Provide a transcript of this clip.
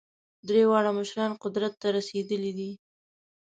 درې واړه مشران قدرت ته رسېدلي دي.